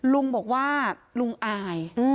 ลุงบอกว่าลุงอาย